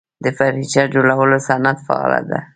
د فرنیچر جوړولو صنعت فعال دی